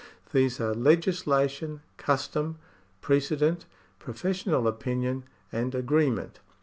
These are Legislation, Custom, Precedent, Professional Opinion, and Agreement.